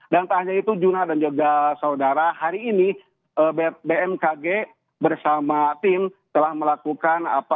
tak hanya itu juna dan juga saudara hari ini bmkg bersama tim telah melakukan